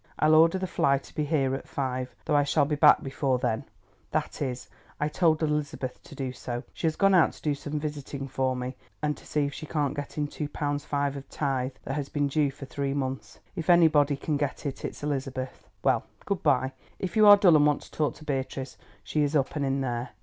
I'll order the fly to be here at five, though I shall be back before then—that is, I told Elizabeth to do so. She has gone out to do some visiting for me, and to see if she can't get in two pounds five of tithe that has been due for three months. If anybody can get it it's Elizabeth. Well, good bye; if you are dull and want to talk to Beatrice, she is up and in there.